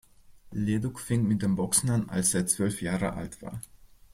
Leduc fing mit dem Boxen an, als er zwölf Jahre alt war.